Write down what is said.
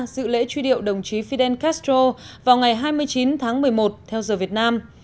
dự lễ truy điệu đồng chí fidel castro vào ngày hai mươi chín tháng một mươi một theo giờ việt nam